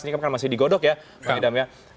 ini kan masih digodok ya pak edam ya